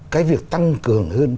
cái việc tăng cường hơn